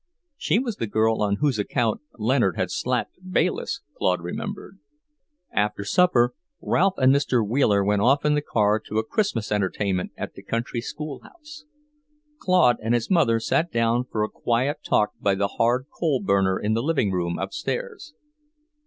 She was the girl on whose account Leonard had slapped Bayliss, Claude remembered. After supper Ralph and Mr. Wheeler went off in the car to a Christmas entertainment at the country schoolhouse. Claude and his mother sat down for a quiet talk by the hard coal burner in the living room upstairs.